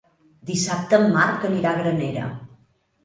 Dissabte en Marc anirà a Granera.